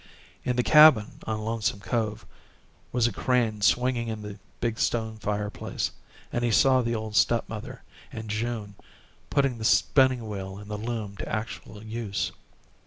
In the cabin on Lonesome Cove was a crane swinging in the big stone fireplace, and he saw the old step mother and June putting the spinning wheel and the loom to actual use.